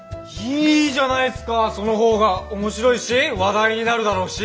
いいじゃないですかそのほうが面白いし話題になるだろうし。